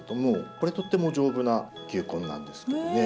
これとっても丈夫な球根なんですけどね。